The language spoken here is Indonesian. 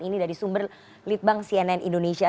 ini dari sumber elit bank cnn indonesia